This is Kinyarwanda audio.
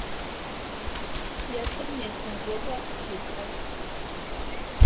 Yasomye ku nzoga ahita agwa